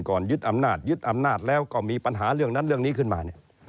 ยึดอำนาจยึดอำนาจแล้วก็มีปัญหาเรื่องนั้นเรื่องนี้ขึ้นมา